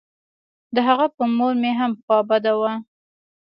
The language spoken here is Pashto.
د هغه په مور مې هم خوا بده وه.